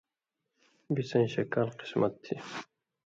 بِڅَیں شکال قسمت تھی